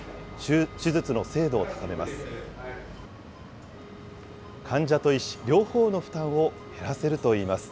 手術の精度を高めます。